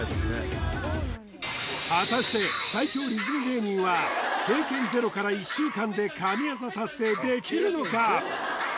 果たして最強リズム芸人は経験０から１週間で神業達成できるのか？